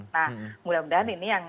nah mudah mudahan ini yang